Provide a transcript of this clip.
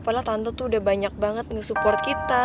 padahal tante tuh udah banyak banget nge support kita